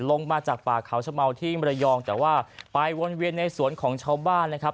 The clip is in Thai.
ลงมาจากป่าเขาชะเมาที่มรยองแต่ว่าไปวนเวียนในสวนของชาวบ้านนะครับ